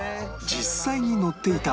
実際に乗ってた！？